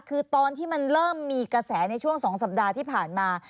คือตอนที่มันเริ่มมีกระแสในช่วง๒สัปดาห์ที่ผ่านมา